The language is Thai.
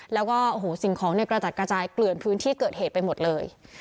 แล้วก็โอ้โหสิ่งของเนี่ยกระจัดกระจายเกลื่อนพื้นที่เกิดเหตุไปหมดเลย